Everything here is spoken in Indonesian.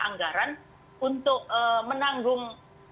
anggaran untuk menanggung